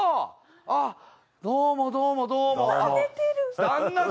どうもどうもどうも。